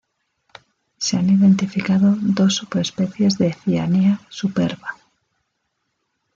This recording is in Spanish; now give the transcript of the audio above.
Se han identificado dos subespecies de Cyanea superba